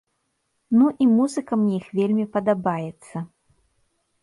Ну, і музыка мне іх вельмі падабаецца.